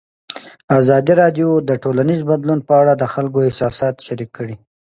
ازادي راډیو د ټولنیز بدلون په اړه د خلکو احساسات شریک کړي.